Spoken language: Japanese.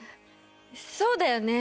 そうだよね